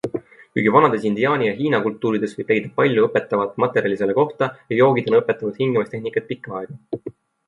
Kuigi vanades indiaani ja hiina kultuurides võib leida palju õpetavat materjali selle kohta ja joogid on õpetanud hingamistehnikaid pikka aega.